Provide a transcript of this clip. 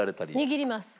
握ります。